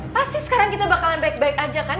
pasti sekarang kita bakalan baik baik aja kan